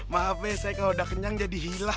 maaf be saya kalau udah kenyang jadi hilap